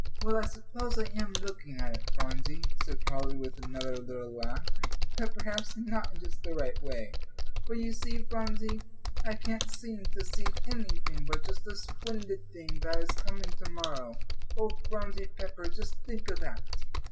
"Well, I suppose I am looking at it, Phronsie," said Polly, with another little laugh, "but perhaps not in just the right way, for you see, Phronsie, I can't seem to see anything but just the splendid thing that is coming to morrow. Oh, Phronsie Pepper, just think of that."